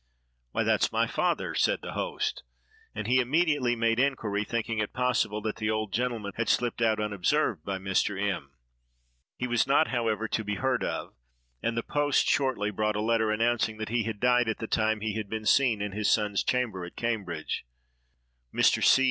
"Why that's my father," said the host, and he immediately made inquiry, thinking it possible the old gentleman had slipped out unobserved by Mr. M——. He was not, however, to be heard of; and the post shortly brought a letter announcing that he had died at the time he had been seen in his son's chamber at Cambridge. Mr.